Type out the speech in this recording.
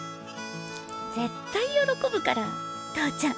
絶対喜ぶから投ちゃん！